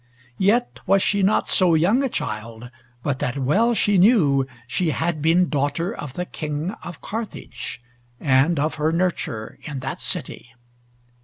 Yet was she not so young a child but that well she knew she had been daughter of the King of Carthage; and of her nurture in that city.